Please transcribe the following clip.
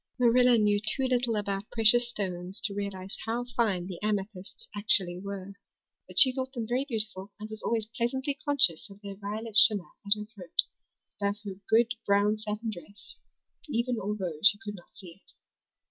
Marilla knew too little about precious stones to realize how fine the amethysts actually were; but she thought them very beautiful and was always pleasantly conscious of their violet shimmer at her throat, above her good brown satin dress, even although she could not see it.